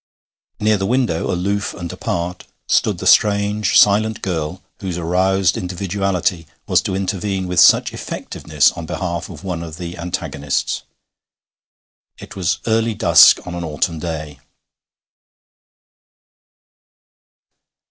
Near the window, aloof and apart, stood the strange, silent girl whose aroused individuality was to intervene with such effectiveness on behalf of one of the antagonists. It was early dusk on an autumn day.